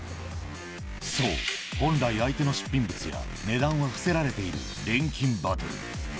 そう、本来、相手の出品物は値段は伏せられている錬金バトル。